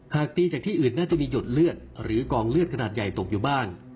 ตีจากที่อื่นน่าจะมีหยดเลือดหรือกองเลือดขนาดใหญ่ตกอยู่บ้าน